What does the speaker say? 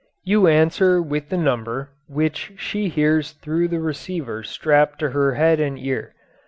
You answer with the number, which she hears through the receiver strapped to her head and ear.